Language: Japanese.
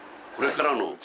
これからの。